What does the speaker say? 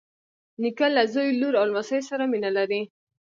نیکه له زوی، لور او لمسیو سره مینه لري.